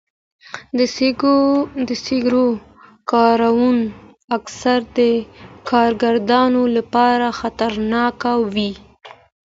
د سکرو کانونه اکثراً د کارګرانو لپاره خطرناک وي.